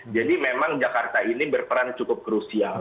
jadi memang jakarta ini berperan cukup krusial